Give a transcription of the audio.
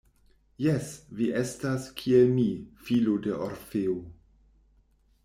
Jes, vi estas kiel mi, filo de Orfeo.